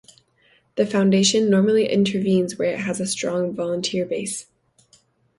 The Foundation normally intervenes where it has a strong volunteer base.